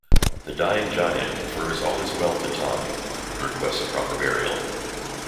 The dying giant confers all his wealth to Tom and requests a proper burial.